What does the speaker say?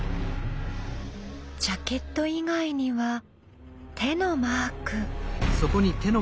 ジャケット以外には手のマーク。